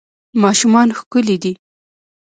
ماشومان ښکلي دي